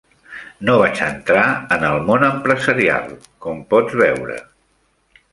No vaig entrar en el món empresarial, com pots veure.